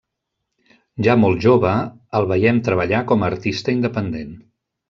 Ja molt jove, el veiem treballar com a artista independent.